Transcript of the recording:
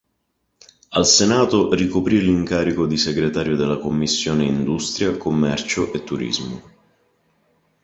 Al Senato, ricoprì l'incarico di segretario della Commissione Industria, Commercio e Turismo.